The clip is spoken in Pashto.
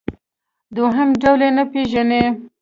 دویم ډول یې نه پېژني.